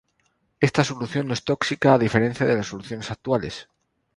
Esta solución no es tóxica a diferencia de las soluciones actuales.